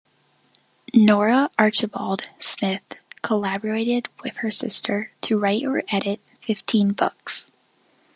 Nora Archibald Smith collaborated with her sister to write or edit fifteen books.